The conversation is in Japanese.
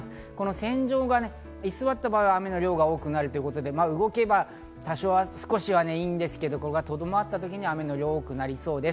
線上が居座った場合は、雨の量が多くなるので動けば多少はいいんですけど、留まった時に雨の量が多くなりそうです。